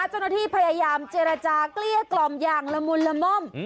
เจ้าหน้าที่พยายามเจรจาเกลี้ยกล่อมอย่างละมุนละม่อม